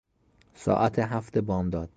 ساعت هفت بامداد